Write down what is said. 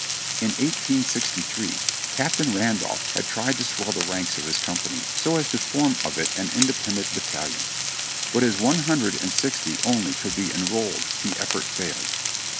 In 1863 Captain Randolph had tried to swell the ranks of his company so as to form of it an independent battalion ; but as one hundred and sixty only could be enrolled the effort failed.